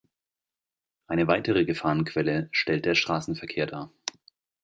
Eine weitere Gefahrenquelle stellt der Straßenverkehr dar.